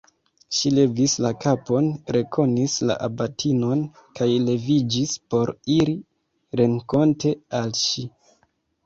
Ŝi levis la kapon, rekonis la abatinon kaj leviĝis por iri renkonte al ŝi.